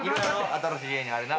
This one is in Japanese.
新しい家にあれな。